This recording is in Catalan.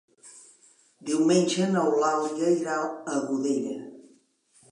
Diumenge n'Eulàlia irà a Godella.